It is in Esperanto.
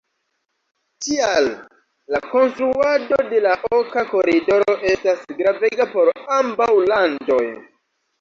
Tial, la konstruado de la Oka Koridoro estas gravega por ambaŭ landoj.